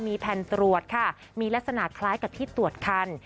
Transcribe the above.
มีแผ่นตรวจค่ะมีลักษณะคล้ายกับที่ตรวจคัน